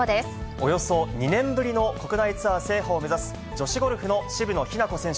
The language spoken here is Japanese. およそ２年ぶりの国内ツアー制覇を目指す、女子ゴルフの渋野日向子選手。